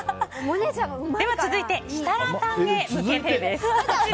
では、続いて設楽さんへ向けて。